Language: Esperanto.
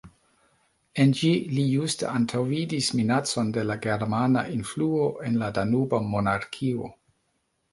En ĝi li juste antaŭvidis minacon de la germana influo en la Danuba Monarkio.